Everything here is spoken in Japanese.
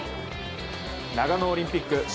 長野オリンピック